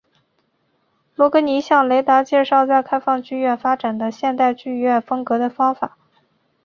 罗格尼向雷达介绍在开放剧院发展的现代剧院风格和方法。